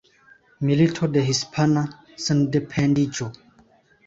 Milito de Hispana Sendependiĝo.